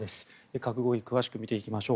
核合意詳しく見ていきましょう。